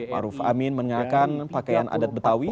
makruf amin menengahkan pakaian adat betawi